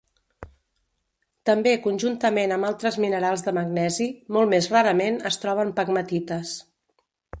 També conjuntament amb altres minerals de magnesi, molt més rarament es troba en pegmatites.